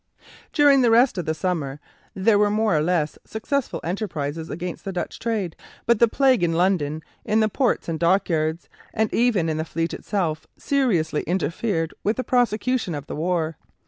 During the rest of the summer there were more or less successful enterprises against Dutch trade; but the plague in London, in the ports and dockyards, and even in the fleet itself, seriously interfered with the prosecution of the war.